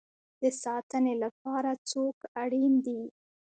د ساتنې لپاره څوک اړین دی؟